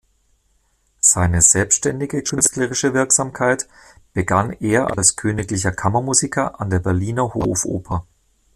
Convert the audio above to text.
Seine selbstständige künstlerische Wirksamkeit begann er als Königlicher Kammermusiker an der Berliner Hofoper.